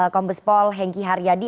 kombes pol hengki haryadi